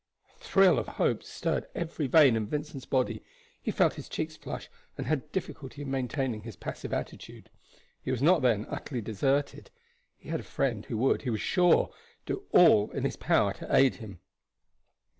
A thrill of hope stirred every vein in Vincent's body. He felt his cheeks flush and had difficulty in maintaining his passive attitude. He was not, then, utterly deserted; he had a friend who would, he was sure, do all in his power to aid him.